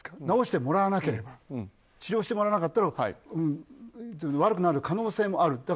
治してもらわなければ治療してもらわなければ悪くなる可能性もある。